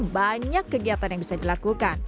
banyak kegiatan yang bisa dilakukan